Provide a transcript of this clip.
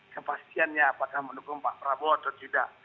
kepastiannya apakah mendukung pak prabowo atau tidak